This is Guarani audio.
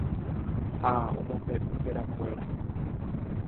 ha omombe'u herakuéra.